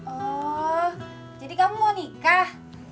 oh jadi kamu mau nikah